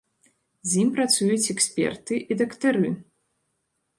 З ім працуюць эксперты і дактары.